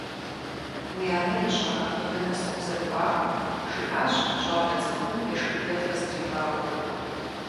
«Уи анэ ищӏэрэ мыбы нэс укъызэрыкӏуар?» жиӏащ щӏалэ цыкӏум ешхыдэфэ зытригъауэурэ.